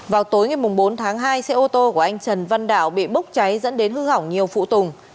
vào tối ngày bốn tháng hai xe ô tô của anh trần văn đạo bị bốc cháy dẫn đến hư hỏng nhiều phụ tùng